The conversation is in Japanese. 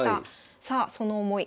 さあその思い